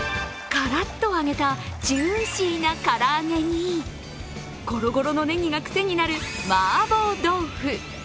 からっと揚げたジューシーな唐揚げに、ゴロゴロのネギがくせになるマーボー豆腐。